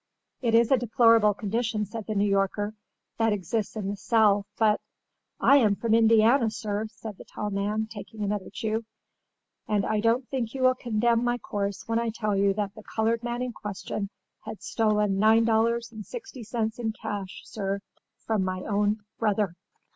"It is a deplorable condition," said the New Yorker, "that exists in the South, but—" "I am from Indiana, sir," said the tall man, taking another chew; "and I don't think you will condemn my course when I tell you that the colored man in question had stolen $9.60 in cash, sir, from my own brother."